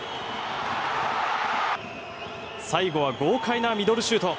最後は豪快なミドルシュート。